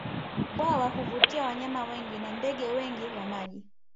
Bwawa huvutia wanyama wengi na ndege wengi wa maji